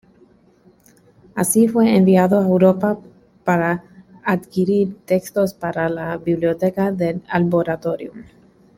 Así fue enviado a Europa para adquirir textos para la Biblioteca del Arboretum.